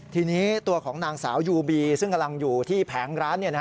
ทีนี้ตัวของนางสาวยูบีซึ่งกำลังอยู่ที่แผงร้าน